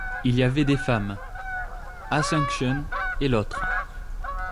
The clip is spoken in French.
Il y avait des femmes, Asuncion, et l’autre.